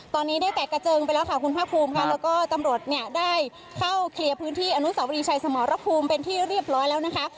ตอนนี้ได้แตกกระเจิงไปแล้วค่ะคุณภาคภูมิค่ะแล้วก็ตำรวจเนี่ยได้เข้าเคลียร์พื้นที่อนุสาวรีชัยสมรภูมิเป็นที่เรียบร้อยแล้วนะคะ